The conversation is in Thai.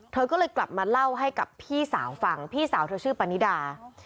เธอก็เลยกลับมาเล่าให้กับพี่สาวฟังพี่สาวเธอชื่อปานิดา